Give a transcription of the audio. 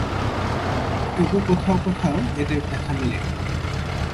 তবু কোথাও কোথাও এদের দেখা মিলে।